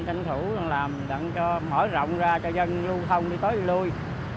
tranh thủ làm đặn cho mở rộng ra cho dân lưu thông đi tới lui